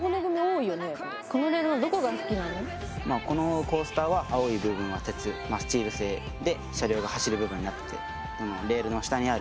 まあこのコースターは青い部分は鉄まあスチール製で車両が走る部分になっててレールの下にある